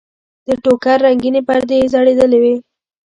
د ټوکر رنګینې پردې یې ځړېدلې دي.